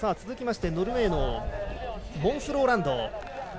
続きましてノルウェーのモンス・ローランド。